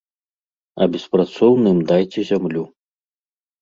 А беспрацоўным дайце зямлю.